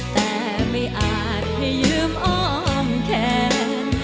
แต่ไม่อาจให้ยืมอ้อมแขน